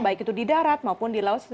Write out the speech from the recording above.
baik itu di darat maupun di laut